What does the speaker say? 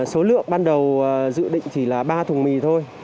số lượng ban đầu dự định chỉ là ba thùng mì thôi